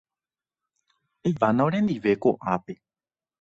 Evána orendive ko'ápe.